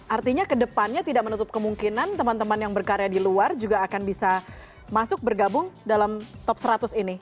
artinya kedepannya tidak menutup kemungkinan teman teman yang berkarya di luar juga akan bisa masuk bergabung dalam top seratus ini